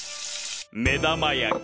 目玉焼き。